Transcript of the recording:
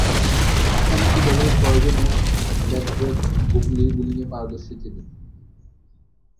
পাশাপাশি দলের প্রয়োজনে লেগ ব্রেক গুগলি বোলিংয়ে পারদর্শী তিনি।